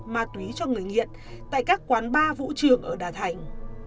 ma túy cho người nghiện tại các quán bar vũ trường ở đà thành